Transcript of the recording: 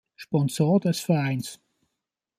Sponsor des Vereins.